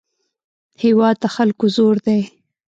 هېواد د خلکو زور دی.